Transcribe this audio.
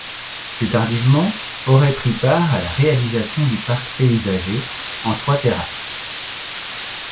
Plus tardivement, aurait pris part à la réalisation du parc paysager, en trois terrasses.